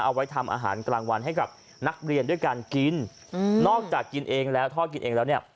เอาไว้ทำอาหารกลางวันให้กับนักเรียนด้วยการกินอืมนอกจากกินเองแล้วทอดกินเองแล้วเนี่ย